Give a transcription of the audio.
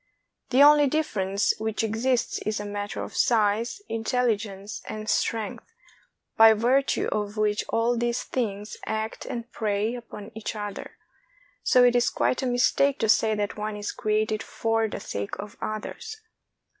The only difference which exists is a matter of size, intelligence, and strength, by virtue of which all these things act and prey upon each other; so it is quite a mistake to say that one is created for the sake of the others.